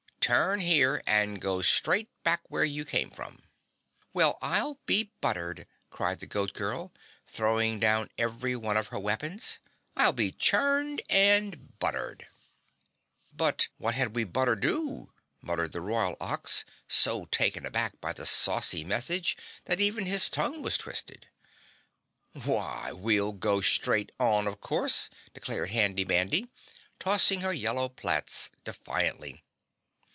"Turn here and go straight back where you came from." "Well, I'll be buttered!" cried the Goat Girl, throwing down every one of her weapons. "I'll be churned and buttered." "But what had we butter do?" muttered the Royal Ox, so taken aback by the saucy message that even his tongue was twisted. "Why, we'll go straight on, of course," declared Handy Mandy, tossing her yellow plaits defiantly.